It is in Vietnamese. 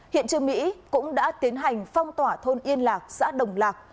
hiện trường mỹ cũng đã tiến hành phong tỏa thôn yên lạc xã đồng lạc